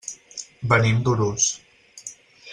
Venim d'Urús.